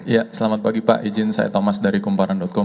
ya selamat pagi pak izin saya thomas dari kumparan com